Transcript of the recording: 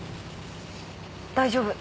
大丈夫。